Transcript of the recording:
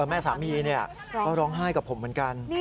แม่สามีก็ร้องไห้กับผมเหมือนกัน